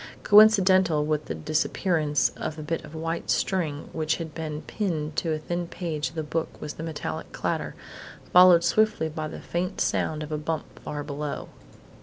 Coincidental with the disappearance of a bit of white string which had been pinned to a thin page of the book was a metallic clatter, followed swiftly by the faint sound of a bump far below.